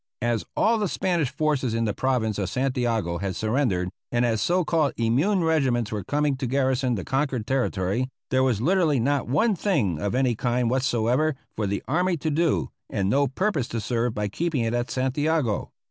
As all the Spanish forces in the province of Santiago had surrendered, and as so called immune regiments were coming to garrison the conquered territory, there was literally not one thing of any kind whatsoever for the army to do, and no purpose to serve by keeping it at Santiago.